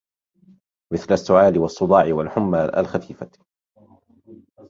مثل السعال والصداع والحمى الخفيفة